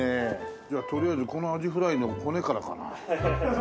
じゃあとりあえずこのアジフライの骨からかな。